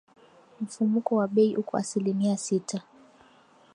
Mfumuko wa bei uko asilimia sita